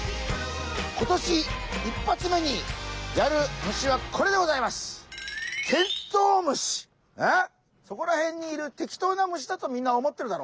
今年１発目にやる虫はこれでございますえっそこら辺にいる適当な虫だとみんな思ってるだろ？